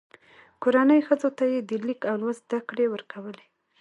کورنۍ ښځو ته یې د لیک او لوست زده کړې ورکولې.